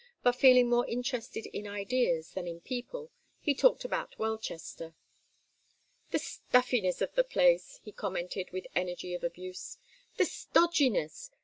But, feeling more interested in ideas than in people, he talked about Welchester. "The stuffiness of the place!" he commented, with energy of abuse. "The stodginess.